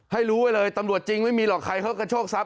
ให้รู้ไว้เลยตำรวจจริงไม่มีหรอกใครเขากระโชคทรัพ